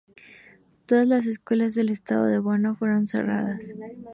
Todas las escuelas en el estado de Borno fueron cerradas.